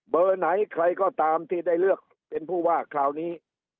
ไหนใครก็ตามที่ได้เลือกเป็นผู้ว่าคราวนี้